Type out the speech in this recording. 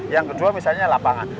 yang kedua misalnya lapangan